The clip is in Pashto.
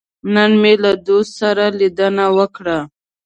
نن مې له دوست سره لیدنه وکړه.